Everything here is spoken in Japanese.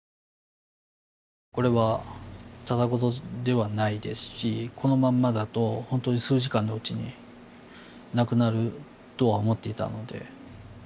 これはただごとではないですしこのまんまだとほんとに数時間のうちに亡くなるとは思っていたので。